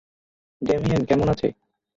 Damien কেমন আছে?